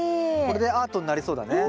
これでアートになりそうだね。